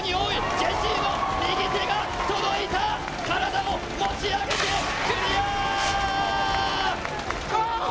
ジェシーの右手が届いた、体も持ち上げて、クリア！